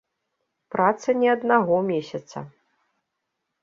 Праца не аднаго месяца.